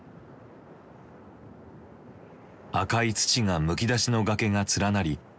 赤い土がむき出しの崖が連なり